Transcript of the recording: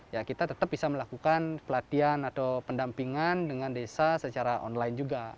ya kita tetap bisa melakukan pelatihan atau pendampingan dengan desa secara online juga